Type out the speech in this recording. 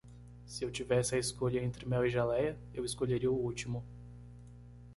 Se eu tivesse a escolha entre mel e geléia? eu escolheria o último.